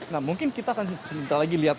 nah mungkin kita akan sebentar lagi lihat